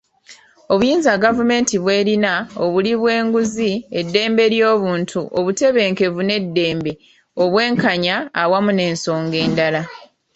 Obuyinza gavumenti bw'erina, obuli bw'enguzi, eddembe ly'obuntu, obutebenkevu n'eddembe, obwenkanya awamu n'ensonga endala.